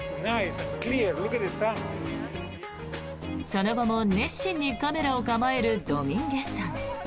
その後も熱心にカメラを構えるドミンゲスさん。